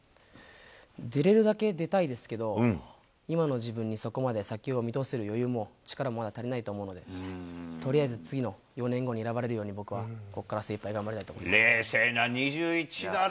出れるだけ出たいですけど、今の自分にそこまで先を見通せる余裕も、力もまだ足りないと思うので、とりあえず次の４年後に選ばれるように、僕はここから精いっぱい冷静な２１だな。